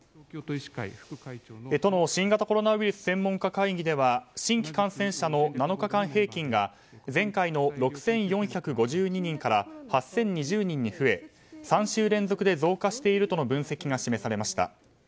都の新型コロナウイルス専門家会議では新規感染者の７日間平均が前回の６４５２人から８０２０人に増え３週連続で増加しているとの分析が示されました。